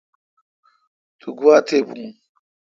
تو گوا تھ بھو۔